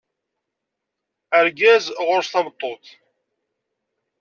Argaz ɣur-s tameṭṭut.